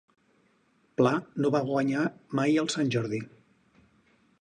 Pla no va guanyar mai el Sant Jordi.